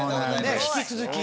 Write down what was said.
引き続き。